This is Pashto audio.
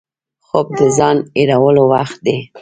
خوب د ځان هېرولو وخت دی